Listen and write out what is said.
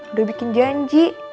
udah bikin janji